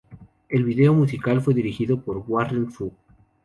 El video musical fue dirigido por "Warren Fu".